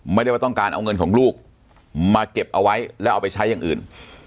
ไม่ได้ว่าต้องการเอาเงินของลูกมาเก็บเอาไว้แล้วเอาไปใช้อย่างอื่น